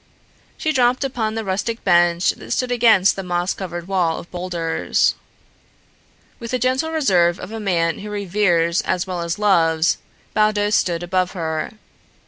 She dropped upon the rustic bench that stood against the moss covered wall of boulders. With the gentle reserve of a man who reveres as well as loves, Baldos stood above her.